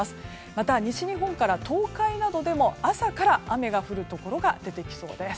また、西日本から東海などでも朝から雨が降るところが出てきそうです。